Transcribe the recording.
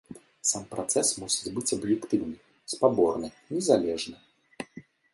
Сам працэс мусіць быць аб'ектыўны, спаборны, незалежны.